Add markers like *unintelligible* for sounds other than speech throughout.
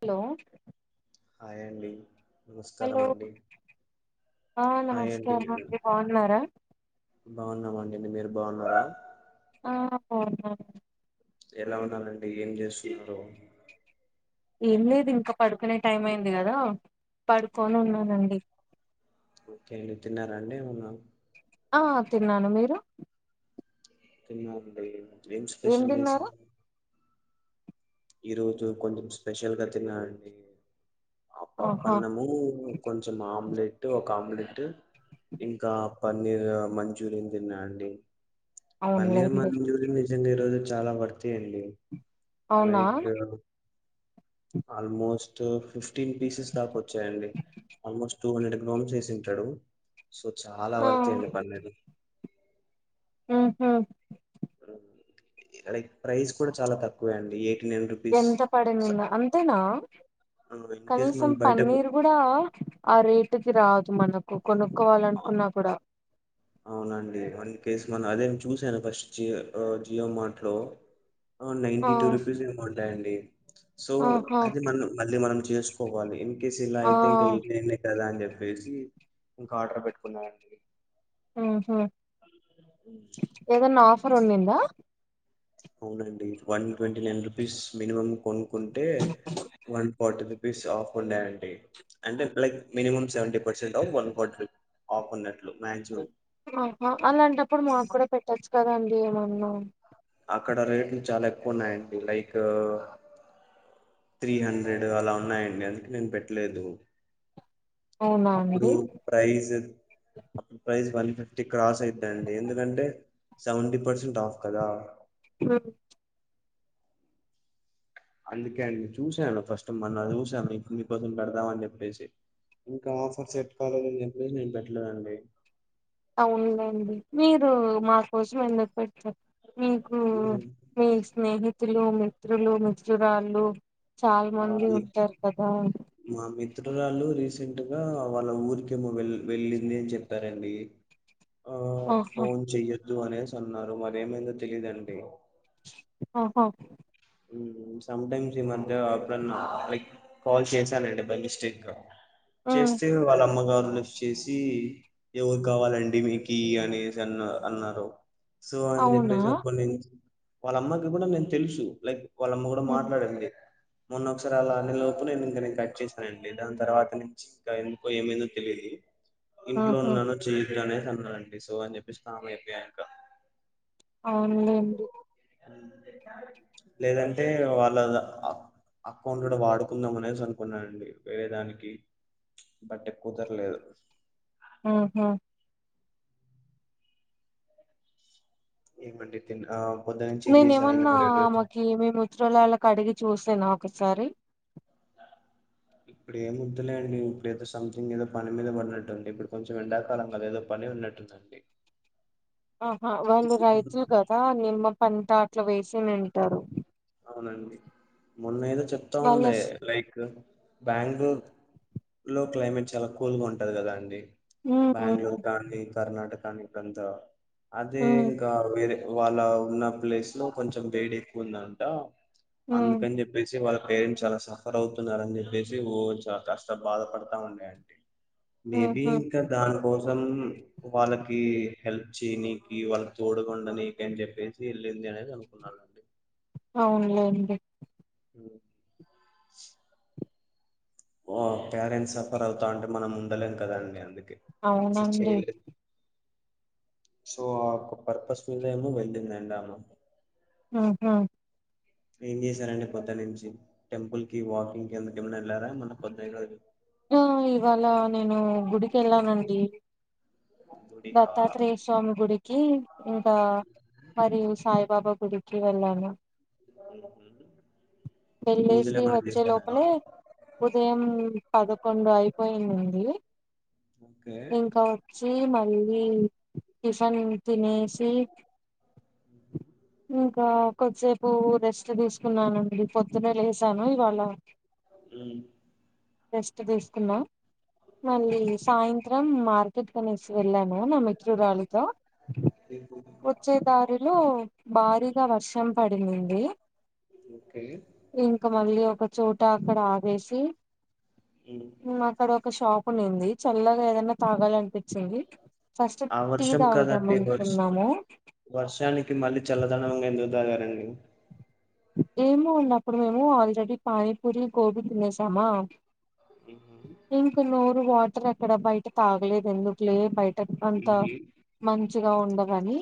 Hello hi అండి నమస్కారం hello అండి ఆ నమస్కారం అండి బాగున్నారా ఎన్ని మీరు బాగున్నారా ఆహ ఎలా ఉన్నారండి ఏం చేస్తున్నారు ఏం లేదు ఇంక పడుకునే టైం అయింది కద పడుకొని ఉన్నానండి తిన్నారండి ఏమన్నా ఆ తిన్నాను మీరు తిన్న అండి ఏం స్పెషల్ చేశారు ఈ రోజు కొంచెం స్పెషల్ గ తిన్న అండి ఆ పప్పు ఆహా అన్నము కొంచం ఆమ్లెట్ కామ్లెట్ ఇంకా పన్నీర్ మంచూరియన్ తిన్నా అండి పన్నీర్ అవునులేండి మంచూరియం నిజంగ ఈరోజు చాలా వర్తి అండి అవునా లైక్ ఆల్మోస్ట్ ఫిఫ్టీన్ పీసెస్ దాకా వచ్చాయండి ఆల్మోస్ట్ టూ హండ్రెడ్ గ్రామ్స్ వేసింటాడు సో చాలా ఆ వర్తి అండి పన్నీరు హ్మ్ లైక్ ప్రైస్ కూడ చాలా తక్కువే అండి నైన్ రూపీస్ ఎంత పడింది నీన్న అంతేనా ఇన్ కేస్ కనీసం మనం బయటకు పన్నీర్ కూడా ఆ రేటు కి రాదు మనకు కొనుక్కోవాల అనుకున్నా కూడ చూశాను ఫస్ట్ జియో జియో మార్ట్లో ఆ నైంటీ టూ రుపీస్ ఏమో ఉంటాయండి సో ఆహా అది మనం మళ్ళీ మనం చేసు వాలి ఇ ఆ సిలయితేం క కదా అం చెప్ప ఫసి కార్డర్ పెట్టుకున్నాండి ఉ హు మర్రునిందా అవునండి one twenty nine rupees minimum కొను కుంటే వన్ ఫార్టీ రుపీస్ ఆఫ్ ఉన్నాయన్డి అంటే like minimum seventy percent off one forty rupees off ఉన్నట్టు ఆహా అలాంటప్పుడు మాకు కూడా పెట్టచ్చు కదండి ఏమన్నా అక్కడ రేట్లు చాలా ఎక్కువ ఉన్నాయండి లైక్ త్రీ హండ్రెడ్ అలా ఉన్నాయండి అందుకే నేను పెట్టలేదు అవునా అప్పుడు అండి ప్రైజ్ అప్పుడు ప్రైజ్ వన్ ఫిఫ్టీ క్రాస్ అయిద్దండి ఎందుకంటే సెవెంటీ పర్సెంట్ ఆఫ్ కదా హ్మ్ అందుకే అండి చూశాను ఫస్ట్ మొన్న చూశాను మీకోసం పెడదామని చెప్పేసి ఇంకా ఆఫర్ సెట్ కాలదని చెప్పేసి నేను పెట్టలేదండి అవున్ లేన్డి మీరు మా కోసం ఎందు పెడ్తార్ మీకు మీ స్నేహితు మిత్రులు మిత్రులు మిత్రురాళ్ళు చాలా మంది వాళ్ళు ఉంటారు కదా చట్టరాళ్ళు రీసెంట్ గా వాళ్ళ ఊరికేమో వెల్ వెళ్ళింది అని చెప్పారండి ఆ హా వద్దు అనేసి అన్నారు మరి ఏమైందో తెలీదండి ఆ హా హ్మ్ సంటైమ్స్ ఈ మధ్య అప్పుడన్నా లైక్ కాల్ చేశానండి బై మిస్టేక్ హ్మ్. చేస్తే వాళ్ళమ్మగారు మనిష చేసి ఎవరు కావాలండి మీకీ అనేసి అన్నారు అన్నారు సో అని అవునా చెప్పేసి అప్పుడనుంచి వాళ్ళమ్మకి కూడా నేను తెలుసు లైక్ వాళ్ళమ్మ కూడా మాట్లాడంది మొన్న ఒకసారి అలా అనే లోపు నేను ఇంక నేను కట్ చేశానండి దాని తర్వాత నుంచి ఇంకా ఎందుకో ఏమైందో తెలియదు ఇంట్లో ఆహా ఉన్నాను చెయ వద్దు అనేసి అన్నాదండి సో అని చెప్పేసి కామ్ అయిపోయాయింకా అవునులేండి లేదంటే వాళ్ళది అక్ అక్కౌంట్ కూడా వాడుకుందాం అనేసి అనుకున్నానండి వేరేదానికి బట్ కుదరలేదు ఆహా ఏమండి తిన్నా నేను ఏమన్నా ఆమకి మే *unintelligible* ళ్ళకి అడిగి చూసేనా ఒకసారి ఇప్పుడు ఏం వద్దులేండి ఇప్పుడు ఏదో సంథింగ్ ఏదో పని మీద పడినట్టుంది ఇప్పుడు కొంచెం ఎండాకాలం కదా ఏదో పని ఉన్నట్టుందండి ఆహా వాళ్ళు రైతులు కదా మేము మా పంట అట్లా వేసినింటారు అవునండి మొన్న ఏదో చెప్తా ఉండే వాళ్ళస్ లైక్ బ్యాంగ్ ళూరు క్లైమేట్ చాల కూల్గా ఉంటది కదా అండి ఉమ్ ఉమ్ బ్యాంగ్ ళూరు కాని కర్ణాట దానికంత అదే ఉమ్ ఇంకా వేరే వాళ్ళ ఉన్న ప్లేస్ లో కొంచెం వేడి ఎక్కువ ఉంద ట ఉమ్ అందుకని చెప్పేసి వాళ్ళ పేరెంట్స్ చాలా సఫర్ అవుతున్నారని చెప్పేసి ఓ చాలా కాస్త బాధపడతా ఉండే అండి మేబీ ఉహు ఇంకా దానికోసం వాళ్ళకీ హెల్ప్ చేయనీకీ వాళ్ళకి తోడగుండా నీకి అని చెప్పేసి వెళ్ళింది అనేది అనుకున్నాండి అవునులేండి ఓ పేరెంట్స్ సఫర్ అవుతావుంటే మనం ఉండలేం కదండి అందుకే అసలు అవునండి చేయలేదు సో ఆ పర్పస్ మీద ఏమో వెళ్ళిందండామ ఊహూ ఏం చేశారండి పోదున్నుంచి టెంపుల్ కి వాకింగ్ కి అందుకు ఎమ్ ఆ ఇవాళ నేను గుడికెళ్ళానండి గుడికా దత్తాత్రేయ స్వామి గుడికి ఇంకా మరియు సాయిబాబా గుడికి వెళ్ళాను వెళ్ళేసి పూజలేమన్నా చేసారా మ్ మ్ పదకొండు అయిపోయిందండి ఓకే ఇంకా వచ్ ఈ మళ్ళీ టిఫన్ తినేస్ తీక్ ఇంకా కొద్దిసేపు రెస్ట్ తీసుకున్నానండి పొద్దునే లేసాను ఇవాళ మ్మ్. రెస్ట్ తీసుకున్నా మళ్ళీ సాయం మార్కెట్ కనేన్ వెళ్ళాను నా మిత్రురాలితో మ్మ్. వచ్చే దారిలో భారీగా వర్షం పడింది ఓకే ఇంకా మళ్ళీ ఒక చోట అక్కడ ఆవేసి మ్మ్. అక్కడ ఒక షాప్ కొనింది చల్లగా ఏదైనా తాగాలనిపించింది ఫస్ట్ ఆ టీ వర్షం తాగుతాం కదండి వర్ష అనుకున్నాము వర్షానికి మళ్ళీ చల్లదనంగా ఎందుకు తాగారండి ఏమో ఉన్నప్పుడు మేము ఆల్రెడీ పానీపూరి గోబీ తినేసామా అ ఇంక నోరు వాటర్ ఎక్కడ బయట తాగలేదు ఎందుకులే బయట అంత మ్మ్. మంచి గా ఉండగాని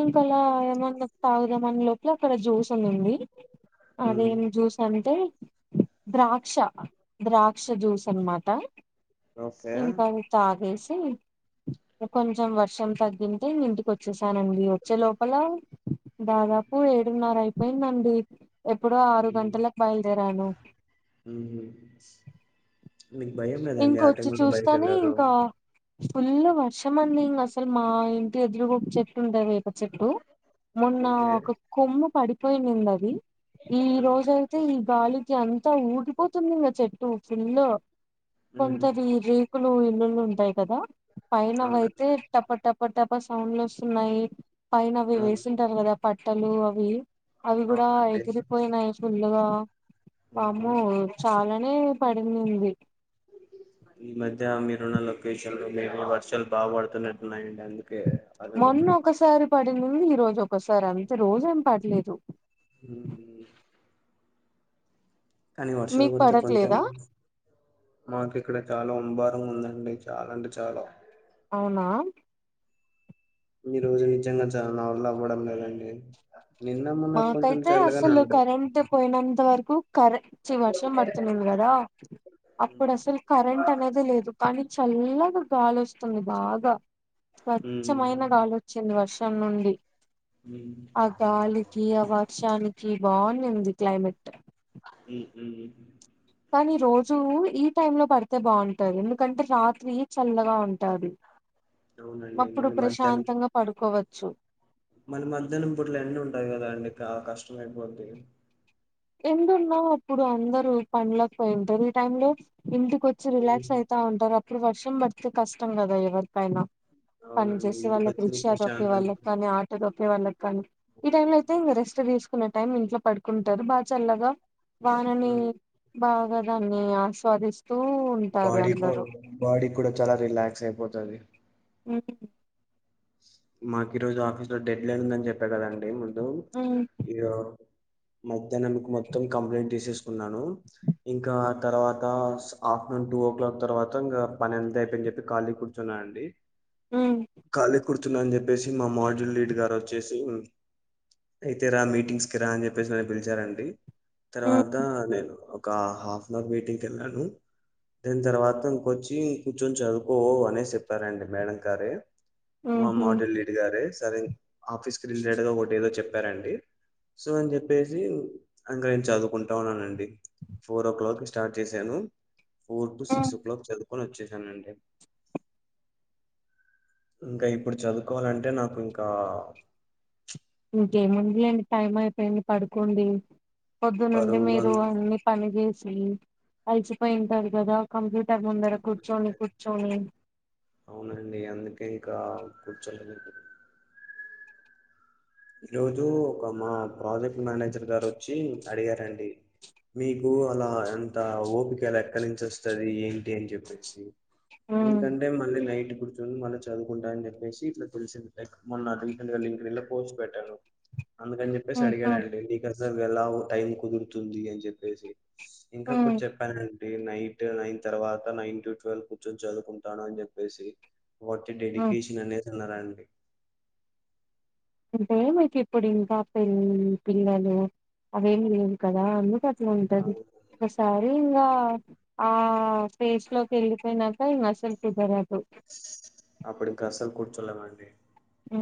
ఇంకా అలా ఏమన్నా తాగుదామని లోప అక్కడ జ్యూస్ ఉందింది మ్మ్. అదేం జ్యూస్ అంతే ద్రాక్ష ద్రాక్ష జ్యూస్ అనమాట ఓకే ఇంకాత ఆగ కొంచెం వర్షం తగ్గింటే ఇంటికి వచ్చే చానండి వచ్చే లోపల దాదాపు ఏడున్నర అయిపోయిందండి ఎప్పుడో ఆరు మ్మ్. గంటలకు బయలుదేరాను ఉహు మీకు భయం లేదండి ఆ ఇంకొచ్చి టైంలో బయక చూస్తానే వెళ్ళారు ఇంకా ఫుల్ వర్షం అంది ఇంకా అసలు మా ఇంటి ఎదురు గొప్పు చెట్తుంటేవ ఒక చెట్టు మొన్న ఓకే ఒక కొమ్ము పడి పోయి నిందది ఈ రోజయితే ఈ గాలికి అంత అంత ఊడిపోతుందిద చెట్టు ఫుల్ లో ఉమ్ కొంతరి రేకులు ల్లు ఉంటాయి కదా పైనం అైతే అవునండి టప్ప టప్ప ట ప సౌండ్ లో వస్తున్నాయి పైన అవి ఆ వేసింటారు కదా పట్టలు అవి అవి కూడా అవునండి ఎగిరిపోయినాయి ఫుల్లుగా అవును వామ్మో చాలా పడింది ఈ మధ్య లొకేషన్ లో వర్షాలు బాగా పడుతున్నట్టున్నాయి అందుకే అది వతుంది ంది ఈ రోజు ఒకసారి అంతే రోజ ఏం పడలేదు హ్మ్ కానీ వర్షాలు మీకు కురిత్ కొంచెం పడట్లేదా మాకు ఇక్కడ కాలం సాంబారం ఉందండి చాలా అండి చాలా అవునా ఈ రోజు నిజంగా చాలా నావల్ల అవ్వడం లేదండి నిన్న మొన్న కొంచెం మాకైతే చల్లగానే అసలు ఉండే కరెంట్ పోయినంత వరకు కరెట్ వర్షం పడుతున్నింది కదా అప్పుడు అసలు కరెంట్ అనేది లేదు కానీ చల్లగా గాలి వస్తుంది బాగా స్వచ్ఛమైన ఉమ్ గాలోచ్చింది వర్షం ం నుండి హ్మ్ ఈ వర్షానికి బావున్నింది క్లైమేట్ హ్మ్ హ్మ్ కానీ రోజూ ఈ టైమ్ లో పడితే బాంటది ఎందుకంటే రాత్రి చల్లగా ఉంటాది అవునండి అప్పుడు మరి మధ్యాహ్నం ప్రశాంతంగా పడుకోవ చు మన ఐపోద్ది ఎందున్నా అప్పుడు అందరుూ పన్ లకు పోయింటారు ఈ టైం లో ఇంటికి వచ్చి రిలాక్స్ అయితా ఉంటారు ఇప్పుడు వర్షం పడితే కష్టం కదా ఎవరికైనా పని అవునండి చేసే వాళ్ళకి ఇంటికొచ్చి రిక్షా తొక్కే వాళ్ళకి ప్రశాంతంగా కానీ ఆటో తొక్కే వాళ్ళకి ఈ టైమ్ లో అయితే ఇంగ రెస్ట్ కునే టైం ఇంట్లో పడుకుంటారు బా చల్లగా వానని బాగ ధాన్ని ఆస్వాది బాడి కొ బాడీ కూడా చాలా రిలా క్స్ అయిపోతది హ్మ్ మాకు ఈ రోజు ఆఫీస్ లో డెడ్ లైన్ ఉందని చెప్పా కదండి ము దు ఉమ్, ఇగ మ వద్దన్నందుకు మొత్తం కంప్లైంట్ తీసేసి అనున్నాను ఇంకా తర్వాత ఆఫ్టర్నూన్ టూ ఓ క్లాక్ తర్వాత ఇంకా పని ఎంత అయిపోయిఅని చెప్పి ఖాళీ కూర్చున్నానుండి హమ్ ఖాళీ కుర్చున్నా అని చెప్పేసి మా అమ్మ వాళ్ జుల్ లీడ్ గారు వచ్చేసి అయితే రా మీటింగ్స్ కి రా అని చెప్పేసి నన్ను పిలిచారండి ఉమ్, తర్వాత నేను ఒక హాఫ్ అన్ అవర్ మీటింగ్ వెళ్ళాను దాని తర్వాత ఇంకొచ్చి ఇం కూచొని చదువుకో అనేసి చెప్పారండి మేడం గారే మా ఉమ్, మాటల్ లేడి గార్సే దారిని ఆఫీస్ రిలేట్ ఒకట ఎదో చెప్ప చెప్పారండి సో అని చెప్పేసి ఇంకా చదువుకుంటా ఉన్నానండి ఫోర్ ఓ క్లాక్ స్టార్ట్ చేశాను four to um. Six o'clock చదువు కొని వచ్చేశాను అండి ఇంకా ఇప్పుడు చదువుకోవాలంటే నాకు ఇంకా ఇంకేముంది అండి టైం అయిపోయింది పడుకోండి పొద్దు నుండి బరువుగా మీరు అన్ని పని చేేసి కలిసిపోయింటారు కదా కంప్లీట్ ఇత్తర ముందర కుర్చోని కుర్చోని అవునండి. అందుకే ఇంకా కూర్చోలేదండి ఈ రోజు ఒక మా ప్రాజెక్ట్ మేనేజర్ గారు వచ్చి అడిగారండి మీకు అలా ఎంత ఓపికలా ఎక్కడి నుంచి వస్తుది ఏంటి అని చెప్పేసి ఉమ్, ఎందుకంటే మళ్ళీ నైట్ ర్చ మళ్ళీ చదువుకుంటా అని చెప్పేసి ఇట్లా తెలిసి క్ మ నా రసట్ గా పోస్ట్ పెట్టాను అందుకని ఉమ్, ఉమ్, చెప్పసిడిగాడుండి ఎలా టైం కుదురుతుంది అని చెప్పేసి ఇంక అప్పుడు ఉమ్, చెప్పానండి నైట్ నైన్ తర్వాత నైన్ టు ట్వెల్వ్ కూర్చొని చదువుకుంటాను అని చెప్పేసి *inaudible* వాట్ ఉమ్. డెడికేషన్ అనే తిన్నారండి ఇంటీ మీకు ఇప్పుడు ఇంకా పెళ్ పిల్లలు అవేం లేవు కదా అందుక ట్ అట్లాఉంటది అవును. ఒకసారి ఇంగా ఆ ఫేస్ లోకి వెళ్ళిపోయినాక ఈ అసలు కుదర అప్పుడు ఇంక అసలు కూడ్చోలేనండి ఉ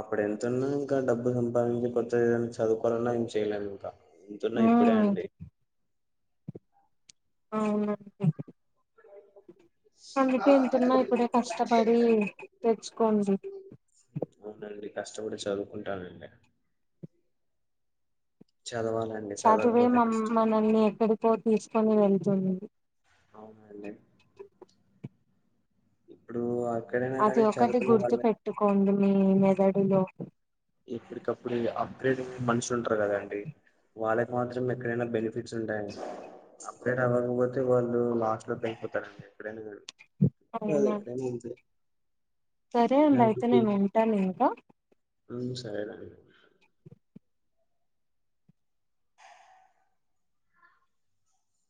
అప్పుడు ఎంతన్నా ఇంకా డబ్బు సంపాదించి కొత్త ఏదనా చదువుకోవాలన్నా ఏం చేయ్యలేం ఇంకా ఎంతున్నా ఇప్పుడే ఉమ్, అండి అవును అందుకే ఎంతున్నా ఇప్పుడే కష్టపడి తెచ్చుకోండి అవునండి కష్టపడి చదువుకుంటానండి చదవాలండి చదువే చదవకపోతే మమ్ కష్టం మనల్ని ఎక్కడికో తీసుకొని వెళ్తుంది అవునండి ఇప్పుడు అ అది ఒకటి గుర్తు పెట్టుకోండి మీ మెదడులో ఎప్పటికప్పుడు అప్గ్రేడింగ్ మనుషులు ఉంటారు కదాండి వాళ్ళకి మాత్రం ఎక్కడైనా బెనిఫిట్స్ ఉంటాయండి అప్గ్రేడ్ అవ్వకపోతే వాళ్ళు లాస్ట్ లో పెంగిపోతారండి ఎక్కడైనా కానీ అదే అవునా, అదెక్కడైనా అంతే సరే అండయితే నేను వుంటాను ఇంక ఉమ్ సరేనండి